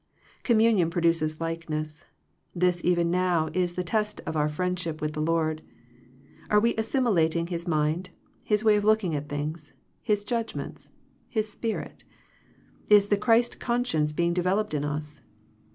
Communion produces likeness. This even now is the test of our friendship with the Lord. Are we assimilating His mind. His way of looking at things. His judgments, His spirit ? Is the Christ con science being developed in us